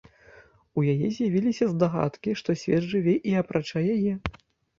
У яе з'явіліся здагадкі, што свет жыве і апрача яе.